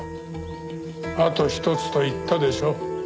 「あと一つ」と言ったでしょ。